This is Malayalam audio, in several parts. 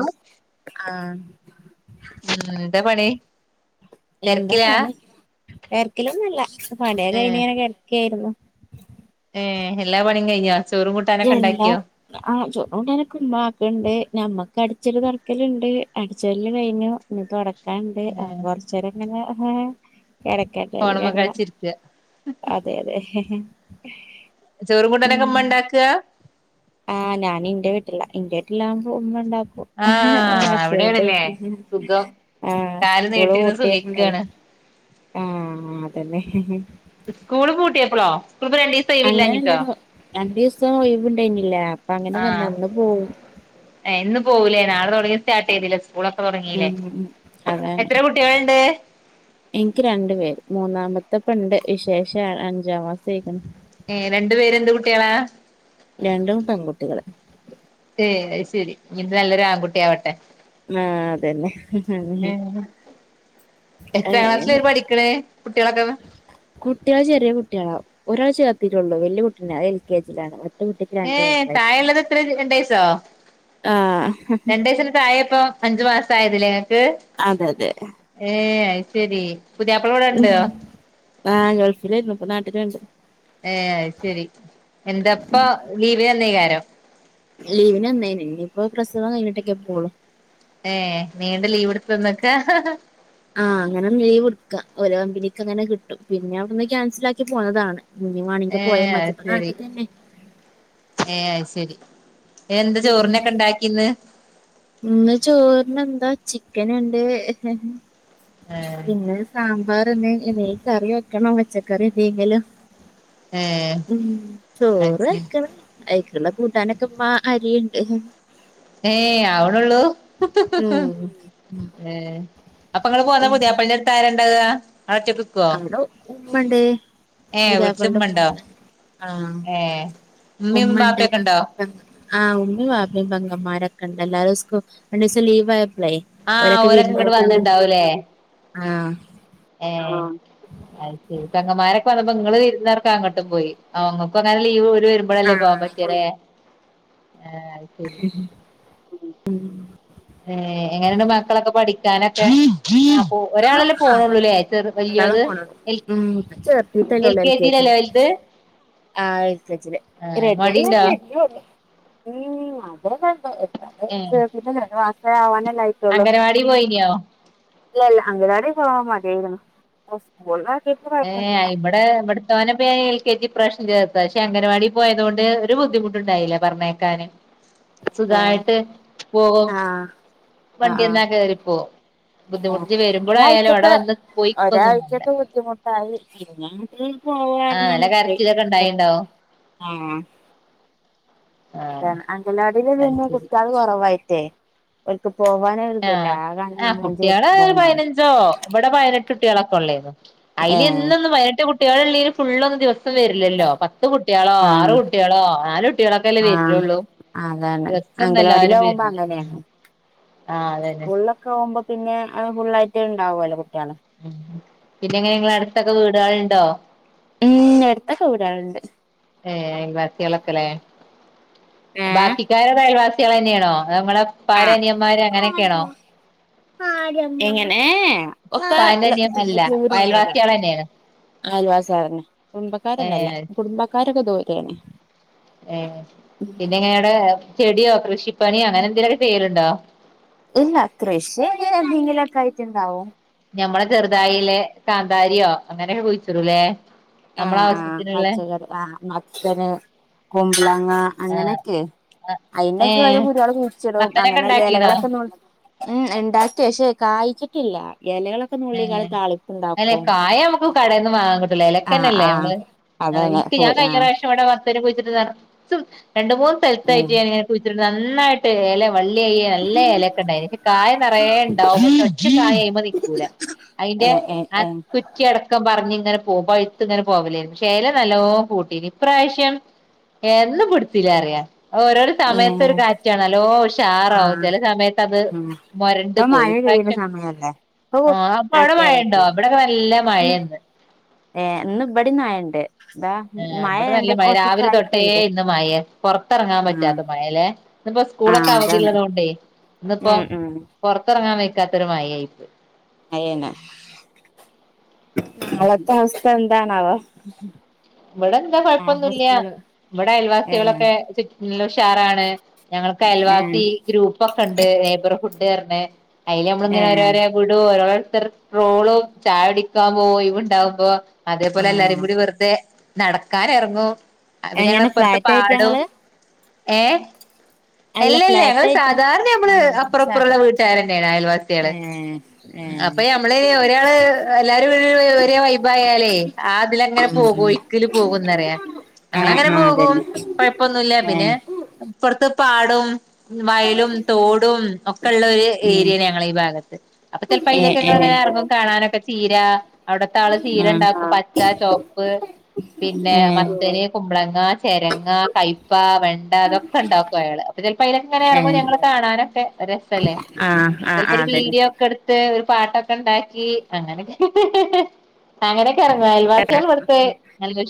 ഓഹ് ആഹ് ഉം എന്താ പണി തെരക്കിലാ. തെരക്കിലൊന്നുവില്ല പണിയൊക്കെ കഴിഞ്ഞ് ഇങ്ങനെ കെടക്കേരുന്നു. ഏഹ് എല്ലാ പണീം കയിഞ്ഞാ. എല്ലാ ആഹ് ചോറും കൂട്ടാനും എല്ലാം ഉമ്മാക്കെണ്ട്. ഞമ്മക്ക് അടിച്ചല് തൊടക്കലെണ്ട് അടിച്ച് വാരല് കഴിഞ്ഞു ഇനി തൊട. ക്കാനെണ്ട് അപ്പൊ ഏഹ് കൊറച്ചേരിങ്ങനെ ഹേ കെടക്കാത്തത് ഫോണുമ്മെ കെടന്നു കളിച്ചിരിക്ക അതെ അതെ. ചോറും ഉം കൂട്ടാനൊക്കെ ഉമ്മ എണ്ടാക്കാ ആഹ് ഞാനിന്റെ വീട്ടിലാ ഇന്റെ വീട്ടിലാകുമ്പോ ഉമ്മ ഇണ്ടാ ഒഹ് ആഹ് ഹസ്ബന്റിന്റെ അവിടെയാണല്ലേ വീട്ടിലേക്ക് സുഖം ആഹ് കാല് സ്കൂള് നീട്ടിരുന്ന് പൂട്ടിയപ്പളെ സുഖിക്കാണ് ആഹ് അതന്നെ. സ്കൂള് പൂട്ടിയപ്പളോ?. സ്കൂളിപ്പോ രണ്ടീസം ഒഴിവില്ലാഞ്ഞിട്ടോ അങ്ങനെയല്ലെന്നു രണ്ടീസം ഒഴിവിണ്ടായ്ന്നിലേ അപ്പ അങ്ങനെ ആഹ് വന്ന ഇന്ന് പോവും. ഏഹ് ഇന്ന് പോവൂലേ നാളെ തൊടങ്ങി സ്റ്റാർട്ട് ചെയ്തിലേ സ്. ഉം ഉം അതാണ് എത്ര കുട്ടികളുണ്ട് ഇൻക്ക് രണ്ടു പേര് മൂന്നാമ ത്തെപ്പണ്ട് വിശേഷ അഞ്ചാം മാസായിക്ക്ണ് ഏഹ് രണ്ടു പേരും എന്ത് കുട്ടിയാളാ. രണ്ടും പെൺകുട്ടികള്. ഏഹ് അയ് ശരി ഇനി ഇത് നല്ലൊരു ആൺകുട്ടി ആവട്ടെ. ആഹ് അതന്നെ അങ്ങനെ. ഏഹ് എത്രാം ക്ലാസ്സില അങ്ങനെ അവര് പഠിക്കണേ കുട്ടികളൊക്കെ കുട്ടിയാള് ചെറേ കുട്ടിയാളാ. ഒരാളെ ചേർത്തിട്ടൊള്ളൂ വെല്യ കുട്ടിനെ അഹ് എൽ കെ ജിലാണ്. ഏഹ് താഴെള്ളത് എത്ര രണ്ടയസ്സോ ആഹ് രണ്ട് വയസ്സിന് തായേ ഇപ്പോ അഞ്ച് മാസം ആയതിലേ ഞങ്ങക്ക് അതെ അതെ ഏ അയ് ശരി. ഉ ആ ഗൾഫിലെയിരുന്നു ഇപ്പ നാട്ടില്ണ്ട് ഏ ഐയ് ശരിരി എന്താപ്പ ലീവിന് വന്നീകാരം. ലീവിന് വന്നേയ്ന് ഇനിയിപ്പോ പ്രസവം കഴിഞ്ഞിട്ടൊക്കെ പോകളു. ഏ നീണ്ട ലീവ് ഇട്ത്ത് വന്നെക്കാ ഹാ ഹാ. ആഹ് അങ്ങനെ ലീവ് ട്ക്കാ ഓരോ കമ്പനിക്ക് അങ്ങനെ കിട്ടും പിന്നെ അവിട്ന്ന് ക്യാൻസിലാക്കി പോന്നതാണ്. ഇഞ്ഞിവാണങ്കി ഏ പോയാമതി അയ്ശരി ച്ട്ട ശരി എന്ത് ചോറിനൊക്കെ ഉണ്ടാക്കിന്ന്. ഇന്ന് ചോറിനന്താ ചിക്കന്ണ്ട് ഹ് ഹ്. ഏ പിന്നെ സാമ്പാർ ഇണ്ട് എന്തേലും കറി വെക്കണം പച്ചക്കറി എന്തെങ്കിലും. ഏ ഉം അയ്ശരി ചോറ്കയിക്കണം അയിക്ക്‌ ക്കുള്ള കൂട്ടാനൊക്കെ വാ അരിയുണ്ട് ഏ അവിടെള്ളൂ ഏ അപ്പൊ നിങ്ങള് പോന്നാ പുതിയപളേന്റെ അടുത്ത് ആരണ്ടാവാ അടെ ഉമ്മണ്ട് ഏഹ് വീട്ടില് പുതിയാപ്ലാന്റ് ഉമ്മണ്ടോ ഉമ്മണ്ട് ആഹ് ഏഹ് ഉമ്മയും ഉമ്മണ്ട് ബാപ്പയൊക്കെ ഉണ്ടോ ആഹ് ആ ഉമ്മിയും വാപ്പിയും ണ്ട് മാരക്കണ്ട എല്ലാരും സ്കൂ രണ്ടെസം ലീവാ ആഹ് ഓരൊക്കെ ഇങ്ങോട്ട് വിരന്നുടക്കാൻ വന്നിട്ട് ആഹ് ഏ അത് ശരി പെങ്ങമ്മാരൊക്കെ വന്നപ്പോ നിങ്ങള് വിരുന്നാർക്കും അങ്ങോട്ടും പോയി അമ്മക്ക് അങ്ങനെ ലീവ് ര് വരുമ്പോഴല്ലേ പോകൻ ആഹ് പറ്റരെ ആഹ് അയ് ശെരി ഏ എങ്ങനെയണ്ട് മക്കളൊക്കെ പഠിക്ക് ക്കാനൊക്കെ ഒരാളല്ലേ ആഹാ പോയോ ക്കൂല്ലേ ചെർ ഒരാളെ വല്യത് പോണുള്ളൂ എൽ ഉം ഇപ്പൊ ചേർത്തിട്ടല്ലേ എൽ ഉള്ളൂ കെ ജി ല്ലേ ജില് വൽത് ആഹ് എൽ കെ ജി ല് [unintelligible] രണ്ട് ഏഹ് മാസവേ ആവാന് അംഗനവാടി പോയിനിയോ ഇല്ല ഇല്ല അങ്ങനവാടി പോകാൻ മടിയായിരിക്കുണ് പ്പ സ്കൂളില് ഏ ഇവിടെ ഇവിടെത്തോനെപ്പ എൽ കെ ജി ഇപ്രാവശ്യം ചേർ പക്ഷെ അങ്കനവാടി പോയതുകൊണ്ട് ഒരു ബുദ്ധിമുട്ടുണ്ടായില്ല പറഞ്ഞയക്കാന് സുഖായിട്ട് പോകും ആഹ് ആഹ് വണ്ടിന്നാ കേറിപ്പോവും ആഹ് ബുദ്ധിമുട്ടി വരുമ്പോഴായാലും അവിടെ ഒരാഴ്ചത്തെ വന്ന് പോയിക്കൊന്നും വേണ്ട ത പിന്നട്ട ആ നല്ല പോവാരന്നാണ് പോയി കരച്ചിലൊക്കെ ഉണ്ടായിണ്ടാവും ആഹ് ആഹ് അതാണ് അങ്കലവാടില് അത് പിന്നെ ശരി കുട്ടികള് കുറവായിട്ടേക്ക് ഓര്ക്ക്‌ ആഹ് ആ കുട്ടികള് കുട്ടിയാള് ഉണ്ടാവും പയിനഞ്ചോ ഇവിടെ പയിനെട്ട് കുട്ടികളൊക്കെള്ളന്ന് അതില് ഏഹ് എന്നൊന്നും പയിനെട്ടു കുട്ടികള് ഉള്ള ഫുള്ളൊന്നും ദിവസം വരില്ലല്ലോ പത്ത് പത്ത് കുട്ടികളോ ആറ് ആഹ് കുട്ടികളോ നാല് കുട്ടികളൊക്കെ അല്ലേ ആഹ് വരിള്ളൂ അതാണ് അങ്കലവാടില് ആകുമ്പോ അങ്ങനെയാണ് ആഹ് അതന്നെ സ്കൂളിലൊക്കെ ആകുമ്പോൾ പിന്നെ അത് ഫുുള്ളായിട്ട് ഇണ്ടാവല്ലോ കുട്ടികളെ ഉം പിന്നെ എങ്ങനെ നിങ്ങളെ അടുത്തൊക്കെ വീടുകൾണ്ടോ? ഉം അടുത്തക്കേ വീടളുണ്ട് ഏ അയൽവാസികളൊക്കെല്ലെ ഏഹ് ബാക്കിക്കാര് അയൽവാസികൾ തന്നെയാണോ അതോ നമ്മളെ ഉപ്പാടെ ആഹ് അനിയന്മാര് അങ്ങനെയൊക്കെയാണോ? എങ്ങനെ ഒക്കേ ഉപ്പാന്റെ അല്ല അനിയൻ അല്ല ദൂരങ്ങളാ അയൽവാസികൾ തന്നെയാണ് ആൽവാസാരന്നെ ഏ കുടുംബക്കാരൊന്നല്ല കുടുംബക്കാരൊക്കേ ദൂരെയണേ ഏ പിന്നെ എങ്ങനെയവിടെ ചെടിയോ കൃഷിപ്പണിയോ അങ്ങനെ എന്തേലൊക്കെ ചെയ്യലുണ്ടോ? ഇല്ല കൃഷി ഇങ്ങനെ എന്തെങ്കിലുംക്കെ ഐറ്റം ഇണ്ടാവും ഞമ്മളെ ചെറുതായിലെ കാന്താരിയോ അങ്ങനെയൊക്കെ വെച്ചുള്ളൂ ല്ലേ ആഹ് ആഹ് പച്ചക്കറി ആഹ് മച്ചന് കുമ്പളങ്ങ ആ അങ്ങനെയൊക്കെ ഏ അതിനൊക്കെ ഓരോ കുരുവാൾ കുഴിച്ചിടും മത്തനൊക്കെ അങ്ങനെ ഉണ്ടാക്കീണോ എലകളൊക്കെ നോ ഉം ഇണ്ടാക്കി പക്ഷേ കായിച്ച് ആ അല്ലെ താളിപ്പുണ്ടാക്കും കായ നമ്മക്ക് കടേന്ന് വാങ്ങാ കിട്ടും ആഹ് എലക്കന്നെല്ലേ ആഹ് നമ്മള് അതന്നെ എനിക്ക് ഞാൻ കഴിഞ്ഞ ആഹ് പ്രാവശ്യം ഇവിടെത്ത് വരെ പോയിച്ചിട്ട് നറച്ചും രണ്ട് മൂന്ന് ഉം സ്ഥലത്തായിട്ട് ഞാനിങ്ങനെ കുഴിച്ചിട്ടുണ്ട് നന്നായിട്ട് ഇല വള്ളി അയ്യ ല്ല ഇലക്കെ ഇണ്ടായി ക്ഷേ കായ നിറയെ ണ്ടാവും ഒറ്റ കായ അതിന്മേൽ നിക്കൂല അയ്ന്റെ ഏഹ് ഏഹ് ആഹ് ഏഹ് കുറ്റിയടക്കം പ പറിഞ്ഞിങ്ങനെ പോം പഴുത്ത് ഇങ്ങനെ പോവലായിരുന്ന് ക്ഷേ എല നല്ലപോ കൂട്ടി ഇനി ഇപ്രാവശ്യം എന്നും പിടുത്തില്ല അറിയാ ഓരോ സമയത്തൊ ഒരു ഏഹ് കാറ്റാണല്ലോ ഓഷ് ഉഷാറാവും ആഹ് ചില സമയത്ത് അത് ഉം മൊരണ്ട് ഇപ്പൊ പോയി മഴ പെയ്യുന്ന ഇപാവശ്യം സമയല്ലേ ഓ ആ അപ്പൊ അവിടെ മഴണ്ടോ താക്കിയാലൊക്കെ ഇവിടെക്കെ നല്ല മഴയിന്ന് ഏ ഇന്നിവിടിം മഴയുണ്ട് ഏ ഇവടെ നല്ല മഴ രാവിലെ തൊട്ടേ പെയ്ത് ഇന്ന് മഴ പുറത്തിറങ്ങാൻ ആഹ് പറ്റാത്ത മഴല്ലെ ഇന്നിപ്പോ സ്കൂളൊക്കെ ആഹ് അവധിള്ള അതാണ് തോണ്ടേ ഇന്നിപ്പോ ഉം ഉം പുറത്ത ഇറങ്ങാൻ വെയ്ക്കാത്തൊരു മഴ ആയിപ്പോയി അയന്നാ നാളത്തെ അവസ്ഥ എന്താണാവോ ഇവിടെ എന്താ നാളെ കൊഴപ്പൊന്നുല്ല്യ സ്കൂള് ഇവിടെ ഏഹ് അയൽവാസികളൊക്കെ നല്ല ഉഷാറാണ് ഞങ്ങൾക്ക് ഏഹ് അയൽവാസി ഗ്രൂപ്പ് ഒക്കെ ഉണ്ട് നൈബർഹുഡ് ർന്ന അയില് നമ്മളിങ്ങനെ ഏഹ് ഓരോരോ വിടു ഓരോൾ ട്രോളും ചായ കുടിക്കാൻ പോവും ഒയിണ്ടാവുമ്പോ അതേപോലെ എല്ലാരും ആഹ് കൂടി വെറുതെ നടക്കാൻ ഇറങ്ങും പിന്നെ ഞങ്ങള എങ്ങനെ ഇപ്പുറത്ത് ഫ്ലാറ്റ് ആയിട്ടാ പാടും ഇങ്ങള് ഏ അല്ല യെല്ല ല്ല ഞങ്ങൾ ഫ്ലാറ്റ് ആയിട്ടാ സാധാരണ ന ആ മ്മള് അപ്പുറും ഇപ്പറുള്ള സാധാ വീട്ടുകാര് തന്നെയാണ് അയൽവാസികള് ഏഹ് ഏഹ് അപ്പൊ നമ്മള് ഒരാള് എല്ലാരും ഒരേ വൈബ ആയാലേ ആ തിലങ്ങനെ പോകോയ് ഒഴുക്ക് പോകുന്നറിയ ഞങ്ങൾ ആഹ് ആഹ് അങ്ങനെ ആഹ് പോകും. അതന്നെ കുഴപ്പൊന്നുല്ല ഏഹ് പിന്നെ ഏഹ് അപ്പറത്ത് പാടും വയലും തോടും ഒക്കെ ള്ള ഒരു ഏരിയാണ് ഞങ്ങള ഈ ഭാഗത്ത്, അപ്പൊ ചെലപ്പോ അയിലേക്ക ഞങ്ങൾ ഏഹ് ഏഹ് ഇങ്ങനെ ഇറങ്ങും കാണാനൊക്കെ ചീരാ, അവിടത്തെആള് ചീര ആഹ് ണ്ടാക്കും പച്ച ചോപ്പ് പിന്നെ ഏഹ് മത്തന്, കുമ്പളങ്ങ, ചെരങ്ങ, കയ്പ, വെണ്ട, തൊക്കെ ണ്ടാക്കും അയാള് ചിലപ്പോ അയിലക്ക ങ്ങനെ ഇറങ്ങും ഏഹ് ഞങ്ങള്ൾ കാണാനൊക്കെ രസല്ലേ ആഹ് ആഹ് ആഹ് ചിലപ്പോ ഒരു അതന്നെ വീഡിയോ ഒക്കെ എടുത്ത് ഒരു പാട്ടൊക്കെ ണ്ടാക്കി അങ്ങനൊക്കെ ഹി ഹി ഹി അങ്ങനെയൊക്കെ ഇറങ്ങ അയൽവാസിള് ഇവിടെത്തെ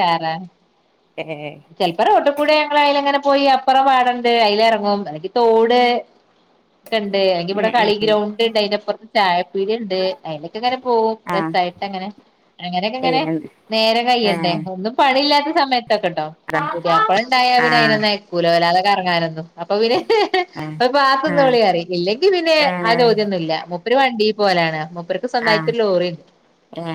കേറാൻ, ഏഹ് ചെൽപ്പം റോട്ട് കൂടെ ഞങ്ങളയിലെങ്ങനെ പോയി അപ്പുറ പാടണ്ട് അതില ഇറങ്ങും എനിക്ക് തോട് ഒ ഉണ്ട് അല്ലെങ്കിൽ ഉം ഇവിടെ ഉം കളി ഗ്രൗണ്ട് ഉണ്ട് അതിനപ്പുറത്ത് ചായ [unintelligible] ണ്ട് അതിലക്കെ അങ്ങനെ പോും ആഹ് രസമായിട്ട് അങ്ങനെ അങ്ങനെയൊക്കെങ്ങനെ നേരെ കയ അ ശരിയാണ് ഒന്നും പണില്ലാത്ത സമയത്തൊക്കെട്ടോ പുതിയാപ്ല ഉണ്ടായപിന്നെ അതിനൊന്നുയക്കൂല ഇറങ്ങാനായിരുന്നു. അപ്പൊ ഏഹ് പിന്നെപ്പ പാത്തന്നൊളി അതാണ് പറി ഇല്ലെങ്കി പിന്നെ ആ ആഹ് ഏഹ് ചോദ്യൊന്നുമില്ല ഒരു വണ്ടി പോലെയാണ് അവർക്ക് സ്വന്തായിട്ട് ആഹ് ഏഹ് ലോറിണ്ട്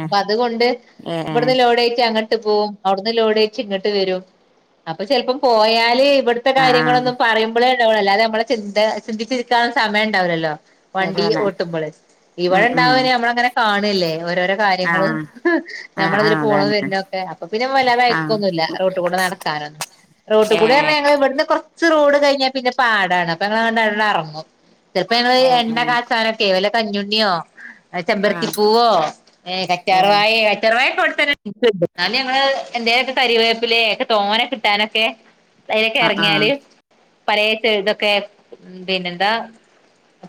അപ്പ ആഹ് അതൊണ്ട് ഏഹ് ഇവിടിന്നു ലോഡറ്റി അങ്ങട്ട് പോും അവിടന്ന് ലോടെറ്റി ഇങ്ങോട്ട് വരും അപ്പൊ ചിലപ്പോം പോയാല് ഇവിടുത്തെ ഏഹ് ആഹ് കാര്യങ്ങളൊന്നും പറമ്പോളെ ഉണ്ടാവൂ അല്ലതെ നമ്മള ചിന്ത ചിന്തിച്ചിരിത്താ സമയംണ്ടാവില്ലല്ലോ വണ്ടി അതാണ് ഓട്ടുമ്പോള് ഇവിടെ ഉം ഉം ഉണ്ടാവനേ നമ്മള അങ്ങനെ കാണല്ലേ ഓരോരോ കാര്യങ്ങളും ആഹ് ആഹ് ഞമ്മള ഇതില് ആഹ് പോകണത് അതാണ് വരീടാ അപ്പൊ പിന്നെ ആഹ് വലതയക്കൊന്നുമില്ല റോട്ടി കൂടെ നടക്കാനൊന്ന റോട്ട് കൂടി ഏഹ് പറഞ്ഞാ ഞങ്ങള് ഇവിടുന്ന് കുറ കുറച്ചു റോഡ് കഴിഞ്ഞാ പിന്ന പാടാണ് അപ്പ അയിലാണ്ടടെ ഇറങ്ങും ചെറപ്പ ഞങ്ങൾ ഏഹ് ഏഹ് എണ്ണ കാച്ചാനൊക്കെ വല കഞ്ഞുണ്ണിയോ അ ചെമ്പരത്തി ആഹ് പൂവോ ഏ ഏഹ് കറ്റാർവായ കാറ്റർവായ കെ അവിടുതന്നെ ഇപ്പോട്ടും ന്നാലും ഞങ്ങള് എന്തേലൊക്കെ കരിവേപ്പിലെ ഒക്കെ തോന്നെ കിട്ടാനൊക്കെ അതിലൊക്കെ ആഹ് ആഹ് ആഹ് ഇറങ്ങിയാല് പലയത്തു ഇതൊക്കെ ഉ പിന്നെന്താ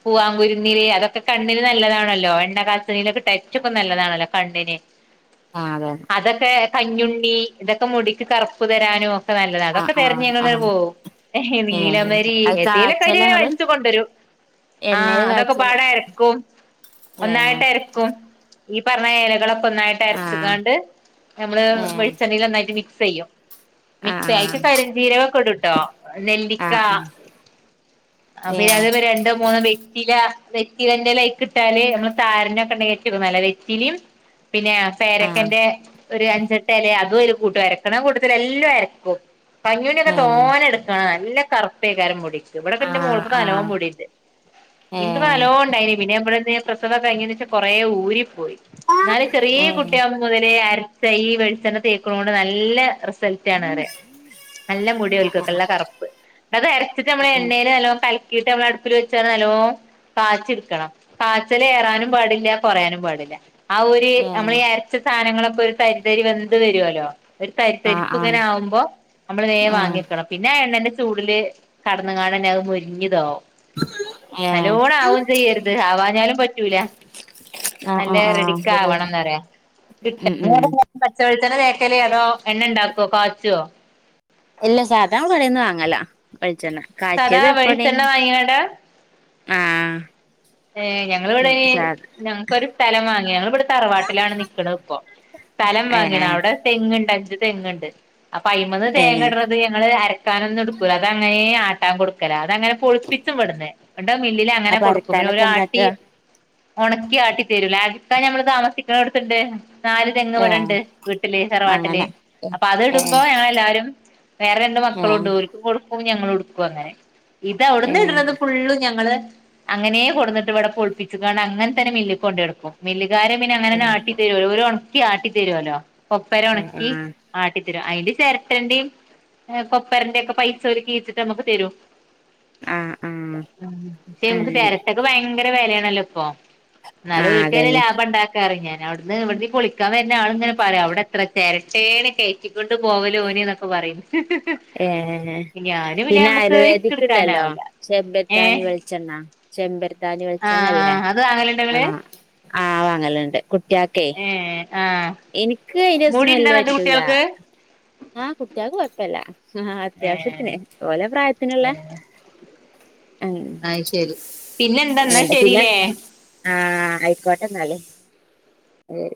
പൂവാംങ്കുരുന്നീര് അതൊക്കെ കണ്ണിന് നല്ലതാണല്ലോ എണ്ണ കാച്ചനീൊക്കെ ടറ്റൊക്കെ നല്ലതാണല്ലോ കണ്ണിന് അെ ആഹ് അതെ കഞ്ഞുണ്ണി ഇതൊക്കെ മുടിക്ക് കറുപ്പു തരാനും ഒക്കെ നല്ലതാണ് ആഹ് അതൊക്കെ തെരഞ്ഞ ആഹ് ങ്ങള് ആഹ് പോകും. ഏ ഏഹ് നീലമാരി അത് ഏതേലേക്കെരു കാച്ചല ഇങ്ങള് വലിതു കൊണ്ടുവരും ആഹ എണ്ണേല് അതൊക്കെ കാച്ചല പാട അരക്കും ഏഹ് ഒന്നായിട്ട് അരക്കും ഈ പറഞ്ഞ ഇലകളൊക്കെ ഒന്നായിട്ട് ആഹ് അരച്ചുകാണ്ട് നമ്മള് ഏഹ് വെളിച്ചെണ്ണയിൽ ഒന്നായിട്ട് മിക്സ് ചെയ്യും. മിക്സി അയിക് ആഹ് കരീഞ്ചീരകൊക്കെ ഇടുട്ടോ നെല്ലിക്ക ആഹ് [unintelligible] ആഹ് ഏഹ് വെറ്റിലന്റെ ലൈക്ക് കിട്ടാല് നമ്മള് സാര ഒക്കെ [unintelligible] വെറ്റിലും പിന്നെ ആഹ് പേരക്കന്റെ ഒരു അഞ്ചട്ട് ഇല അതും കൂട്ടും അരക്കണം അരക്കണ കൂട്ടത്തിൽ എല്ലാം അരക്കും പഞ്ഞൂനിയൊക്കെ ഏഹ് തോനെ എടുക്കാണ് നല്ല കറു പേക്കാരം മുടി ഇവിടെക്കെന്റെ ആഹ് മോൾക്ക് ആഹ് നലോമുടിണ്ട് എനിക്ക് ഏഹ് നലോ ഉണ്ടായിണ് പിന്നെ ഇവിടെന്ന് പ്രസവം കഴിഞ്ഞ ശേഷം കൊറേ ഊരി പോയി എന്നാലും ചെറിയ കുട്ടിയ ആവുന്നത് വരെയും അര ച്ച് ഈ വെളിച്ചെണ്ണ തേക്കുന്ന കൊണ്ട് നല്ല നല്ല റിസർട്ട് ആണ് കാണാൻ നല്ല മുടിക്ക് നല്ല കറുപ്പ് അത് അരച്ചിട്ടമ്മള് കലക്കിട്ട് നമ്മള് അടുപ്പിൽ വെച്ച് നല്ലോണം കാച്ചി എടുക്കണം കാച്ചി റാനും പാടില്ല കുറയാനും പാടില്ല ആ ഒരു ഈ നമ്മൾ ഏഹ് ഈ അരച്ച സാധനങ്ങൾ ഒരു തരിതരി വന്ത് വരുവല്ലോ ഒരു ആഹ് തരിത്തരിപ്പ് ഇങ്ങനെ ആഹ് ഏഹ് ആഹ് ആഹ് ആഹ് ആകുമ്പോ നമ്മള് നേ വാങ്ങിവേക്കണം പിന്നെ എണ്ണന്റെ ചൂടില് കട കാണാൻ മുരിഞ്ഞത് ആവും ഏഹ് നല്ലോണം ആവും ചെയ്യരുത് ആവാഞ്ഞാലും പറ്റൂല ആഹ് നല്ല ആഹ് ആഹ് റെഡിക്ക ശരിയാണ് ആവണംന്നല് ഉം ഉം പച്ച വെളിച്ചെണ്ണ തേ [unintelligible] എണ്ണ ഉണ്ടാക്കോ കാച്ചുവോ ഇല്ല സാധാനം കടന്ന് വാങ്ങല വെളിച്ചെണ്ണ സാദാ കാച്ചിയത് എപ്പണ വെളിച്ചെണ്ണ വേണ വാങ്ങിയാണ്ട ആഹ് ഏഹ് ഞങ്ങിവിടെ ഉം സാ ഞങ്ങക്കൊരു സ്ഥലം വാങ്ങി ഞങ്ങിവിടെ തറവാട്ടിലാണ് നിക്കണ ഇപ്പോ സ്ഥലം വാങ്ങിയ ഏഹ് അവിടെ തെങ്ങ്ങുണ്ട് അഞ്ച് തെങ്ങുണ്ട് അപ്പൊ അയമന്ന് തേങ്ങ ഏഹ് ഇടത് ഞങ്ങള് അര അത ക്കാനും ഒന്നും എടുക്കൂല്ല അങ്ങനെ ആട്ടാൻ കൊടുക്കലാ അത് അങ്ങനെ പൊളിപ്പിച്ചും വിടുന്ന് ഇന്നട്ട വിടന്ന് മില്ലില് അങ്ങനെ കൊടുക്ക അപ്പൊ അരക്കാനൊക്കെ ആട്ടി എന്താട്ടാ ഉണക്കി ആട്ടി തരൂല ഇപ്പം ഞമ്മൾ താമസിക്കുന്നടുത്തണ്ട് നാല് തെങ്ങ് ഏഹ് ഇവിടണ്ട് വീട്ടില് തറവാട്ടില് അങ്ങനെ ഏ അപ്പൊ അത് ഏ ഇടുമ്പോ ഞങ്ങളെല്ലാരും വേറെ രണ്ട് മക്കളും ഉണ്ട് ഒരിക്കും കൊടുക്കും ഞങ്ങൾ എടുക്കും അങ്ങനെ ഇത് ഏ ഏ അവിടുന്ന് ഇടുന്നത് ഫുള്ളും ഞങ്ങള് അങ്ങനെ കൊണ്ട് വന്നിട്ട് ഇവിടെ പൊലിപ്പിച്ചു അങ്ങനെത്തന്നെ മില്ല് കൊണ്ട് കൊടുക്കും മില്ല് വികാരം പിന്നെ അങ്ങനെ ആട്ടി തരുമല്ലോ അവര് ഉണക്കി ആട്ടി തരുവമല്ലോ കൊപ്പര ആ ഉണക്കി ആട്ടിത്തരും അതില് ചിരട്ടന്റെയും കൊപ്പരന്റെ ഒക്കെ പൈസ ഒരുക്കി ഇട്ടിട്ട് നമുക്ക് തരും ആഹ് ആഹ് ചിരട്ടക്ക് ഭയങ്കര വിലയാണല്ലോ ഇപ്പൊ ആ എന്നാലും അവര്ക്കു തന്നെ അല്ലെ അതന്നെ ലാഭം ഉണ്ടാക്കാറ് പിന്നെ അവിടുന്ന് ഇവിടുന്ന് കുളിക്കാൻ വരുന്ന ആൾക്കാർ പറയും അവിടെ എത്ര ചിരട്ടേ ആണ് കയറ്റിക്കൊണ്ട് പോവല് എന്നൊക്കെ പറയുന്നു ഏഹ് പിന്നെ നമ്മുക്ക് റിസ്ക് ആയുർവേദിക് ഉണ്ടല്ലോ എടുക്കാനാവൂല ഏ ചെബത്താനി വെളിച്ചെണ്ണ ചെമ്പരധാനി വെളിച്ചെണ്ണ ആഹ് അല്ലേ ആഹ് അത് വാങ്ങലുണ്ടോ ഇങ്ങള് [unintelligible] ആഹ് വാങ്ങലുണ്ട് കുട്ടികൾക്കേ ഏ ആഹ് എനിക്ക് അതിന്റെ മുടി ഉണ്ടോ സ്മെല്ല് എന്നിട്ട് പറ്റൂല കുട്ടികൾക്ക് ആഹ് കുട്ടികൾക്ക് കുഴപ്പില്ല ആഹ് ഏ അത്യാവശ്യത്തിനെ ഓലെ പ്രായത്തിനുള്ള ഉം അത് ശരി പിന്നെ എന്താ എന്നാ ശരില്ലേ ആഹ് ആയിക്കോട്ടെ എന്നലും